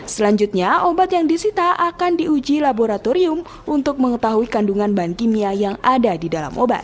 selanjutnya obat yang disita akan diuji laboratorium untuk mengetahui kandungan bahan kimia yang ada di dalam obat